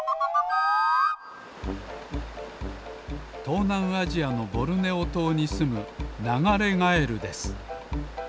とうなんアジアのボルネオとうにすむナガレガエルです。